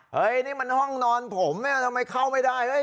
เฮ้ยนี่มันห้องนอนผมเนี่ยทำไมเข้าไม่ได้เอ้ย